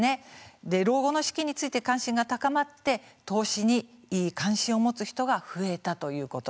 老後の資金について関心が高まって投資に関心を持つ人が増えたということなんです。